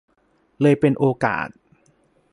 เลยเป็นโอกาส